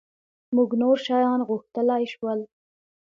مونږ نور شیان غوښتلای شول.